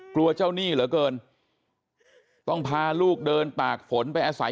กลัวเจ้าหนี้หรือเกินต้องพาลูกเดินปากผลไปอัศวิน